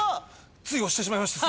つい押してしまいました。